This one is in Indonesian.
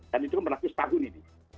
dan itu berlaku setahun ini